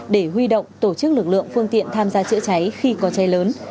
để huy động tổ chức lực lượng phương tiện tham gia chữa cháy khi có cháy lớn